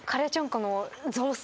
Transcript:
この雑炊